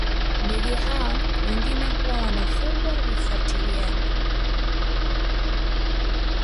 Ndege hawa wengine huwa wanafungwa vifuatiliaji